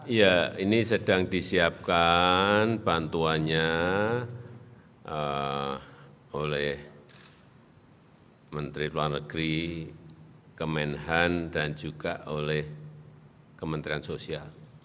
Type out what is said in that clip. ya ini sedang disiapkan bantuannya oleh menteri luar negeri kemenhan dan juga oleh kementerian sosial